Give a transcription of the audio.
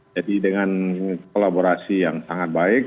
jadi dengan kolaborasi yang sangat baik